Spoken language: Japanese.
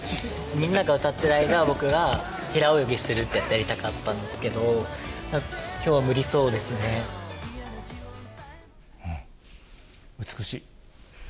みんなが歌っている間、僕が平泳ぎするってやつやりたかったんですけど、きょうは無理そうん、美しい。